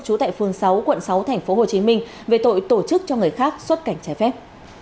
trú tại phường sáu quận sáu tp hcm về tội tổ chức cho người khác xuất cảnh trái phép